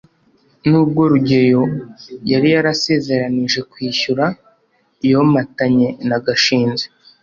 nubwo rugeyo yari yarasezeranije kwishyura, yomatanye na gashinzi